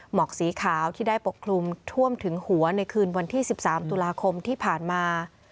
หมอกสีขาวที่ได้ปกคลุมท่วมถึงหัวในคืนวันที่๑๓ตุลาคมที่ผ่านมา